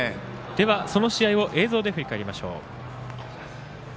その試合を映像で振り返りましょう。